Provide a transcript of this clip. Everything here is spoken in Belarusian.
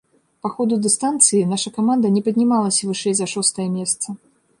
Па ходу дыстанцыі наша каманда не паднімалася вышэй за шостае месца.